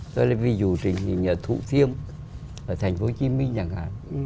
tôi lấy ví dụ trình hình ở thủ thiêm ở thành phố hồ chí minh nhà nẵng hải